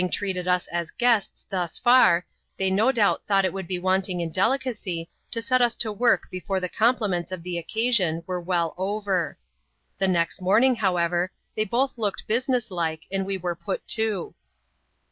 205 treated us as guests thus far, thej no doubt thought it would be wanting in delicacy to set us to work before the complimenta of the occasion were well oven The next morning, however, they both looked business like, and we were put to.